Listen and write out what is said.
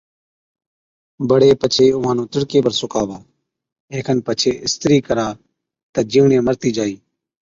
بڙي پڇي اُونهان نُون تِڙڪي پر سُڪاوا، اي کن پڇي اِسترِي ڪرا تہ جِيوڙين مرتِي جائِي